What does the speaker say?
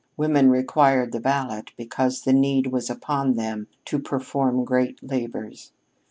Women required the ballot because the need was upon them to perform great labors.